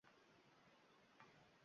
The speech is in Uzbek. Sekiga Tiyokoni ilgari ko`rgandek tuyuldi